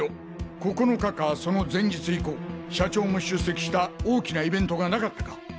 ９日かその前日以降社長も出席した大きなイベントがなかったか！